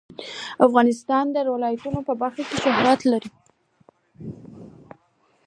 افغانستان د ولایتونو په برخه کې شهرت لري.